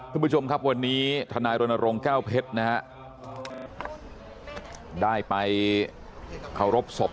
ทุกผู้ชมครับวันนี้ทนายโรนโลงแก้วเพชรนะได้ไปเข้ารบศพ